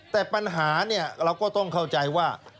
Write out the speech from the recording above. แต่ปัญหาเนี่ยเราก็ต้องเข้าใจว่า